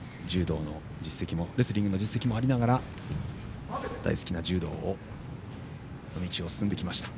レスリングの実績もありながら大好きな柔道の道を進んできました。